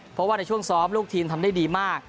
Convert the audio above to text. เพราะว่าในช่วงซ้อมลูกทีมทำได้ดีมาก